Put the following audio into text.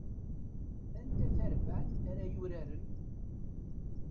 Anta tarbaɛt ara yuraren?